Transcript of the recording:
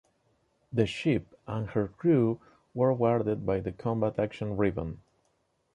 The ship and her crew were awarded the Combat Action Ribbon.